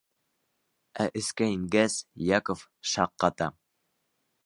Ә эскә ингәс, Яков шаҡ ҡата!